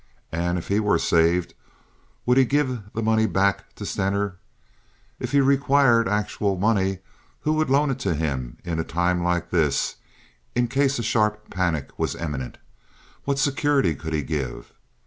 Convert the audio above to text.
And if he were saved would he give the money back to Stener? If he required actual money, who would loan it to him in a time like this—in case a sharp panic was imminent? What security could he give?